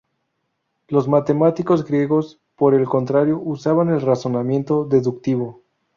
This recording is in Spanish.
Los matemáticos griegos, por el contrario, usaban el razonamiento deductivo.